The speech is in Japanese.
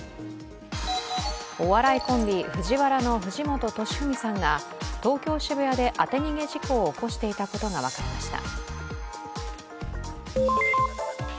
お笑いコンビ、ＦＵＪＩＷＡＲＡの藤本敏史さんが東京・渋谷で当て逃げ事故を起こしていたことが分かりました。